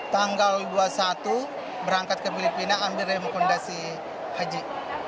tanggal dua puluh satu berangkat ke filipina ambil rekomendasi haji